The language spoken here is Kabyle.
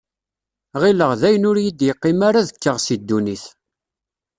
Ɣilleɣ dayen ur yi-d-yeqqim ara ad kkeɣ si ddunit.